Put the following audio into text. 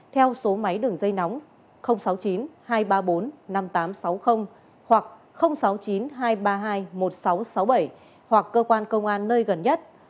theo số máy đường dây nóng sáu mươi chín hai trăm ba mươi bốn năm nghìn tám trăm sáu mươi hoặc sáu mươi chín hai trăm ba mươi hai một nghìn sáu trăm sáu mươi bảy hoặc cơ quan công an nơi gần nhất